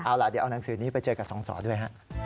เอาล่ะเดี๋ยวเอาหนังสือนี้ไปเจอกับสองสอด้วยฮะ